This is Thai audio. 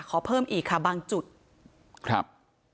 ขอเพิ่มอีกค่ะบางจุดครับ